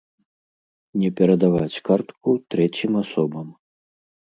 Не перадаваць картку трэцім асобам.